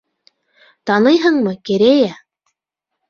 Таныйһыңмы, Керея?